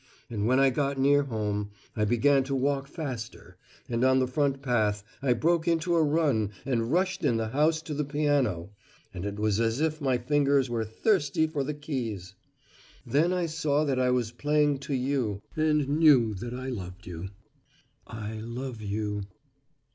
And when I got near home, I began to walk faster, and on the front path I broke into a run and rushed in the house to the piano and it was as if my fingers were thirsty for the keys! Then I saw that I was playing to you and knew that I loved you. "I love you!